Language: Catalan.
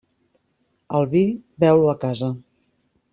El vi, beu-lo a casa.